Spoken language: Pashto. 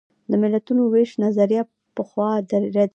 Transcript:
د ملتونو وېستلو نظریه پخوا ردېده.